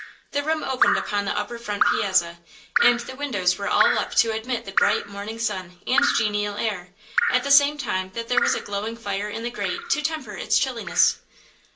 The room opened upon the upper front piazza, and the windows were all up to admit the bright, morning sun and genial air, at the same time that there was a glowing fire in the grate to temper its chilliness.